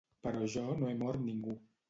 Però jo no he mort ningú.